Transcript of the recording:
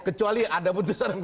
kecuali ada keputusan mk